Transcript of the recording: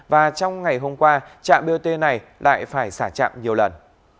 và trong ngày hôm qua trạm bot này lại phải xả trạm nhiều lần